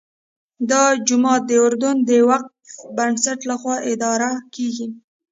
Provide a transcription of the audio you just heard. دا جومات د اردن د وقف بنسټ لخوا اداره کېږي.